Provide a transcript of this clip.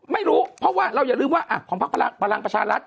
ไม่รู้เพราะว่าเราอย่าลืมว่าของพักพลังประชารัฐ